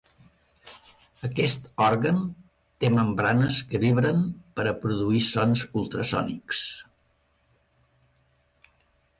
Aquest òrgan té membranes que vibren per a produir sons ultrasònics.